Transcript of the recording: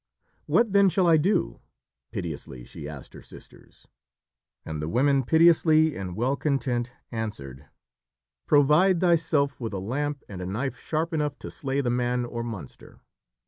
"What, then, shall I do?" piteously she asked of her sisters. And the women, pitilessly, and well content, answered: "Provide thyself with a lamp and a knife sharp enough to slay the man or monster.